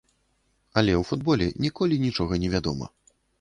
Але ў футболе ніколі нічога не вядома.